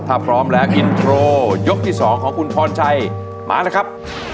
ถ้าพร้อมแล้วอินโทรยกที่๒ของคุณพรชัยมาเลยครับ